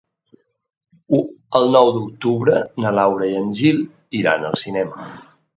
El nou d'octubre na Laura i en Gil iran al cinema.